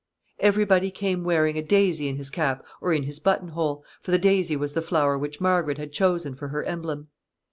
Every body came wearing a daisy in his cap or in his buttonhole, for the daisy was the flower which Margaret had chosen for her emblem.